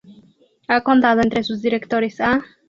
Ha contado entre sus directores aː